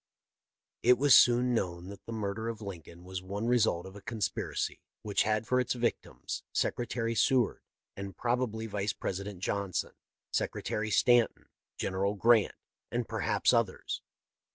" It was soon known that the murder of Lincoln was one result of a conspiracy which had for its victims Secretary Seward and probably Vice Presi dent Johnson, Secretary Stanton, General Grant, and perhaps others.